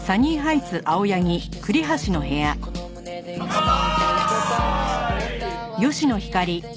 乾杯！